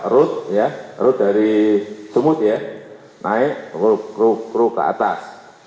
rute ya rute dari semut ya naik rute rute rute ke atas